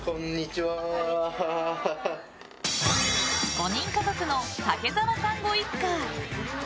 ５人家族の武澤さんご一家。